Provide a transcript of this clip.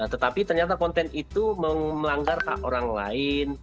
tetapi ternyata konten itu melanggar hak orang lain